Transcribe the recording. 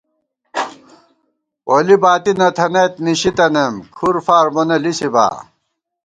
پولی باتی نہ تھنَئیت نِشی تنَئیم کھُر فار مونہ لِسِبا